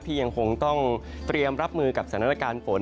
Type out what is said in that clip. ยังคงต้องเตรียมรับมือกับสถานการณ์ฝน